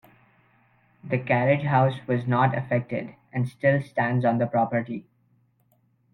The carriage house was not affected, and still stands on the property.